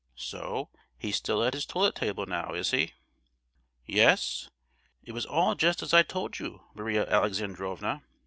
So, he's still at his toilet table now, is he?—" "Yes. It was all just as I told you, Maria Alexandrovna!"